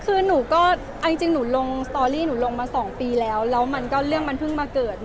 คือหนูก็เอาจริงหนูลงสตอรี่หนูลงมา๒ปีแล้วแล้วมันก็เรื่องมันเพิ่งมาเกิด